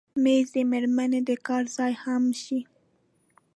مېز د مېرمنې د کار ځای هم شي.